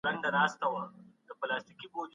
ډيموکراټيک سياست د خلګو پر غوښتنو ولاړ دی.